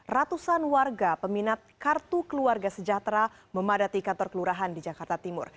ratusan warga peminat kartu keluarga sejahtera memadati kantor kelurahan di jakarta timur